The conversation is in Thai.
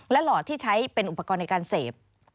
หลอดที่ใช้เป็นอุปกรณ์ในการเสพ